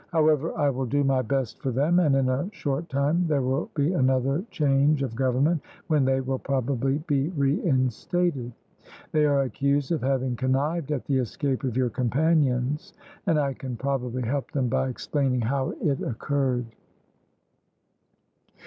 However, I will do my best for them, and in a short time there will be another change of government, when they will probably be reinstated. They are accused of having connived at the escape of your companions, and I can probably help them by explaining how it occurred."